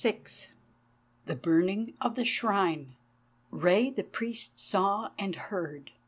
THE BURNING OF THE SHRINE Rei the Priest saw and heard.